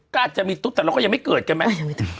ก็อาจจะมีตุ๊ดแต่เราก็ยังไม่เกิดกันไหม